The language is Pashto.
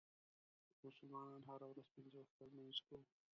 مونږ مسلمانان هره ورځ پنځه وخته لمونځ کوو.